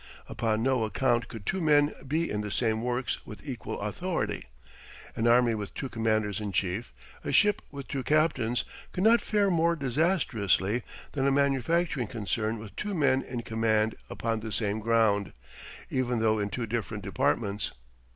Upon no account could two men be in the same works with equal authority. An army with two commanders in chief, a ship with two captains, could not fare more disastrously than a manufacturing concern with two men in command upon the same ground, even though in two different departments.